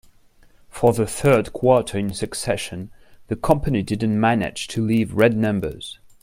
For the third quarter in succession, the company didn't manage to leave red numbers.